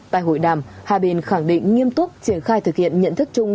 tại hội đàm hà bình khẳng định nghiêm túc triển khai thực hiện nhận thức chung